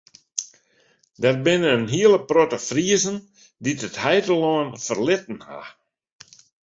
Der binne in hiele protte Friezen dy't it heitelân ferlitten ha.